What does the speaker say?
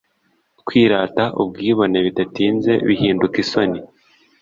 Kwirata ubwibone bidatinze bihinduka isoni